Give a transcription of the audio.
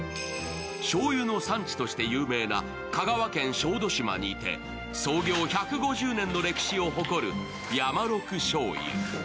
しょうゆの産地として有名な香川県小豆島にて創業１５０年の歴史を誇るヤマロク醤油。